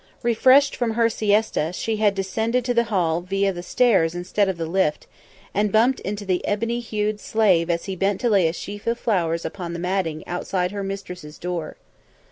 Refreshed from her siesta, she had descended to the hall via the stairs instead of the lift, and bumped into the ebony hued slave as he bent to lay a sheaf of flowers upon the matting outside her mistress's door.